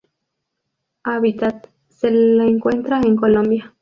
Hábitat: se la encuentra en Colombia.